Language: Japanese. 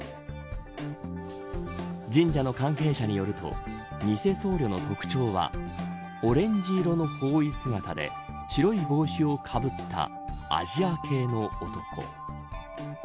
神社の関係者によると偽僧侶の特徴はオレンジ色の法衣姿で白い帽子をかぶったアジア系の男。